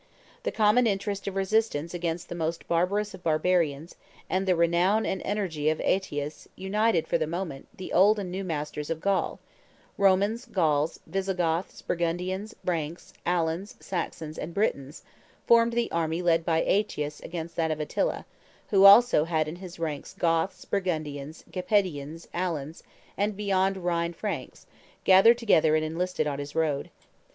The common interest of resistance against the most barbarous of barbarians, and the renown and energy of Aetius, united, for the moment, the old and new masters of Gaul; Romans, Gauls, Visigoths, Burgundians, Franks, Alans, Saxons, and Britons, formed the army led by Aetius against that of Attila, who also had in his ranks Goths, Burgundians, Gepidians, Alans, and beyond Rhine Franks, gathered together and enlisted on his road.